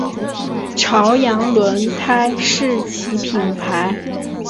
朝阳轮胎是其品牌。